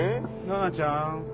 奈々ちゃん。